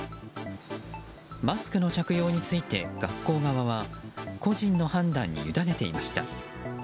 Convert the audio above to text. マスクの着用について、学校側は個人の判断にゆだねていました。